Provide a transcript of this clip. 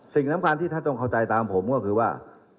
สิ่งสำคัญที่ท่านต้องเข้าใจตามผมก็คือว่า